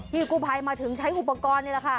ที่กู่พัยมาถึงใช้อุปกรณ์เลยนะคะ